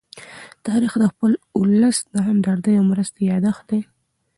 تاریخ د خپل ولس د همدردۍ او مرستې يادښت دی.